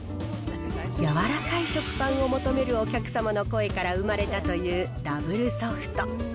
柔らかい食パンを求めるお客様の声から生まれたというダブルソフト。